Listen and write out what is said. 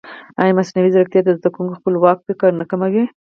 ایا مصنوعي ځیرکتیا د زده کوونکي خپلواک فکر نه کموي؟